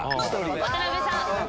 渡辺さん。